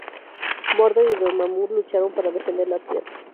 Mordo y Dormammu lucharon para defender la Tierra.